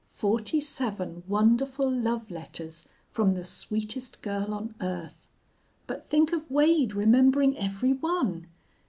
Forty seven wonderful love letters from the sweetest girl on earth! But think of Wade remembering every one!